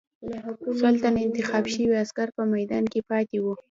سل تنه انتخاب شوي عسکر په میدان کې پاتې وو.